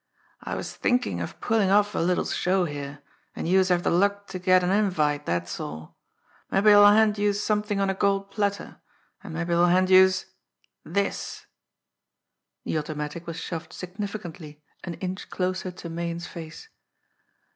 "I was thinkin' of pullin' off a little show here, an' youse have de luck ter get an invite, dat's all. Mabbe I'll hand youse somethin' on a gold platter, an' mabbe I'll hand youse this!" The automatic was shoved significantly an inch closer to Meighan's face.